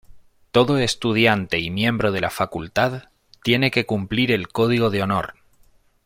Todo estudiante y miembro de la facultad tiene que cumplir el código de honor.